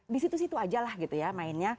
disitu situ aja lah gitu ya mainnya